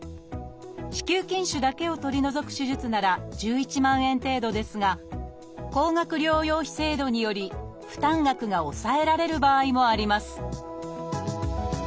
子宮筋腫だけを取り除く手術なら１１万円程度ですが高額療養費制度により負担額が抑えられる場合もあります